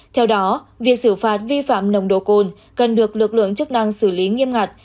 theo đó việc xử phạt vi phạm nồng độ cồn cần được lực lượng chức năng xử lý nghiêm ngặt